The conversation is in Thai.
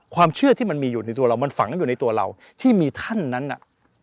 ความเชื่อที่มันมีอยู่ในตัวเรามันฝังอยู่ในตัวเราที่มีท่านนั้นน่ะ